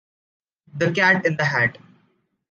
The cat in the hat.